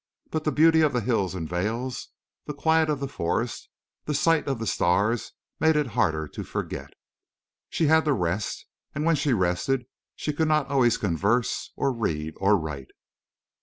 But the beauty of the hills and vales, the quiet of the forest, the sight of the stars, made it harder to forget. She had to rest. And when she rested she could not always converse, or read, or write.